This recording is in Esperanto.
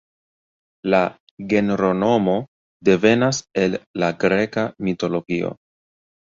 La genronomo devenas el la greka mitologio.